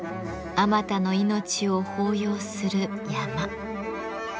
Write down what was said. あまたの命を抱擁する山。